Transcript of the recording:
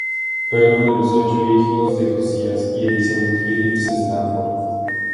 Fue uno de los ocho hijos de Josías y Elizabeth Phillips Stanford.